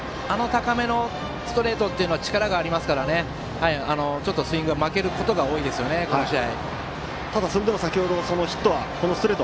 高めのストレートは力がありますからちょっとスイングが負けることが多いですね、この試合。